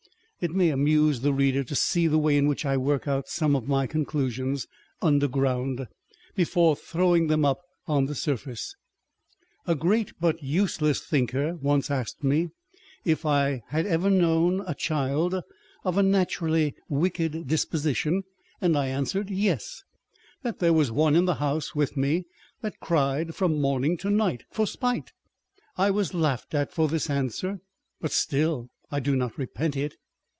It may amuse the reader to see the way in which I work out some of my conclusions underground, before throwing them up on the surface. A great but useless thinker * once asked me, if I had ever known a child of a naturally wicked disposition? and I answered, " Yes, that there was one in the house with me that cried from morning to night, for spite." I was laughed at for this answer, but still I do not repent it.